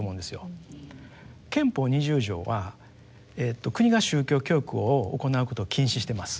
憲法二十条は国が宗教教育を行うことを禁止してます。